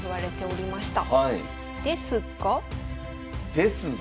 ですが。